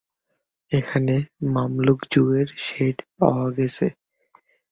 এখানে মামলুক যুগের শেড পাওয়া গেছে।